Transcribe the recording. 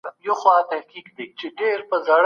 سوله ییز لاریونونه د تخریب په مانا نه دي.